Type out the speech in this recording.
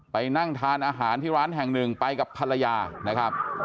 ไปนั่งทานอาหารที่ร้านแห่งหนึ่งไปกับภรรยานะครับ